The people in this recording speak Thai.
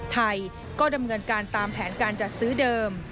ไทยก็ดำเนินการตามแผนการจัดซื้อเดิม